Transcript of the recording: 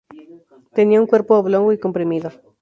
Tenía un cuerpo oblongo y comprimido.